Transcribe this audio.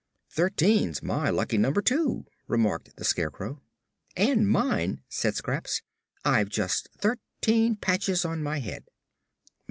"Thirteen's my lucky number, too," remarked the Scarecrow. "And mine," said Scraps. "I've just thirteen patches on my head."